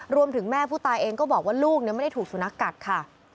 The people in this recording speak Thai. รวมถึงแม่ผู้ตายเองก็บอกว่าลูกนั้นไม่ได้ถูกสุนักกัดค่ะ